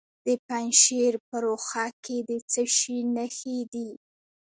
د پنجشیر په روخه کې د څه شي نښې دي؟